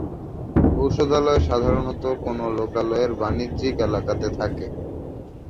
ঔষধালয় সাধারণত কোন লোকালয়ের বাণিজ্যিক এলাকাতে থাকে।